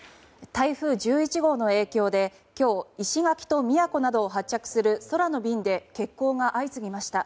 台風１１号の影響で、今日石垣と宮古などを発着する空の便で欠航が相次ぎました。